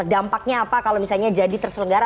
dampaknya apa kalau misalnya jadi terselenggara